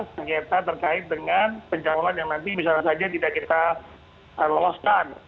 sengketa terkait dengan pencalonan yang nanti misalnya saja tidak kita loloskan